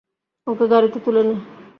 ওকে গাড়িতে তুলে নে।